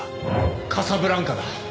カサブランカだ。